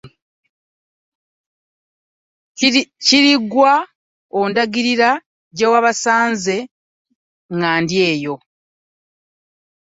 Gira ggwe ondagirire gye wabasanze ŋŋendeyo.